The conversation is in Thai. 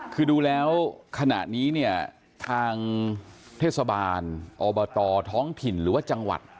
คือดูแล้วขณะนี้เนี่ยทางเทศบาลอบตท้องถิ่นหรือว่าจังหวัด